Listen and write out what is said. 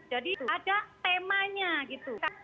jadi ada temanya gitu